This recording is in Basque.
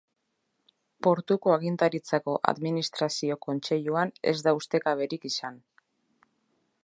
Portuko agintaritzako administrazio kontseiluan ez da ustekaberik izan.